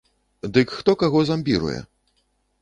Дык хто каго замбіруе?